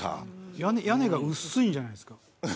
屋根屋根が薄いんじゃないですか？